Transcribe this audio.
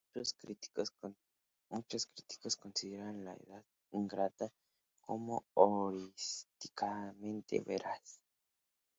Muchos críticos consideran "La edad ingrata" como humorísticamente veraz.